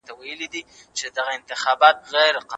د سینې بغل مخنیوی څنګه کیږي؟